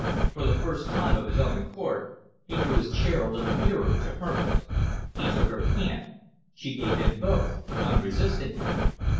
For the first time of his own accord, he drew his chair a little nearer to hers. He took her hand. She gave him both unresistingly.